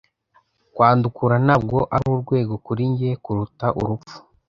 Kwandukura ntabwo ari urwego kuri njye kuruta urupfu.